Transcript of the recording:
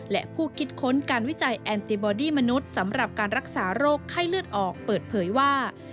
และผู้คิดค้นการวิจัยแอนติบอดี้มนุษย์สำหรับการรักษาโรคไข้เลือดออกเปิดเผยว่า